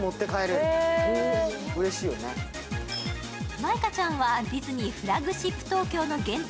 舞香ちゃんはディズニーフラッグシップ東京の限定